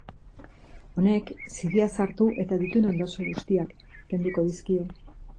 Honek ziria sartu eta dituen ondasun guztiak kenduko dizkio.